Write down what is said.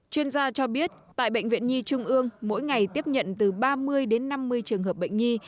chuyên gia cho biết tại bệnh viện nhi trung ương mỗi ngày tiếp nhận từ ba mươi đến năm mươi trường hợp bệnh nhi